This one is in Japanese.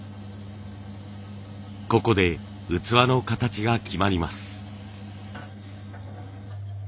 ここで器の形が決まります。